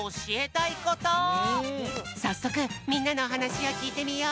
さっそくみんなのおはなしをきいてみよう。